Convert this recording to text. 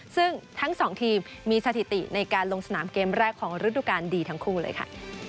ซึ่งทั้งสองทีมมีสถิติในการลงสนามเกมแรกของฤดูการดีทั้งคู่เลยค่ะ